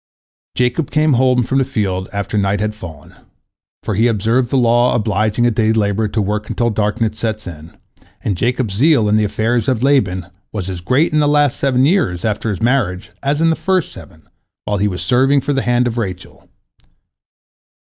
Jacob came home from the field after night had fallen, for he observed the law obliging a day laborer to work until darkness sets in, and Jacob's zeal in the affairs of Laban was as great in the last seven years, after his marriage, as in the first seven, while he was serving for the hand of Rachel.